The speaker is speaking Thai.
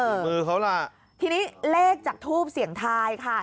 อย่างมือเขาร่ะทีนี้เลขจากทู่บเสียงไทยค่ะ